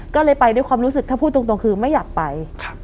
ก็เลยไปด้วยความรู้สึกถ้าพูดตรงคือไม่อยากไป